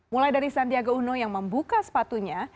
mulai dari sandiaga uno yang membuka sepatunya